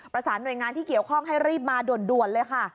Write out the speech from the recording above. ประสานหน่วยงานที่เกี่ยวข้องให้รีบมาด่วนเลยค่ะ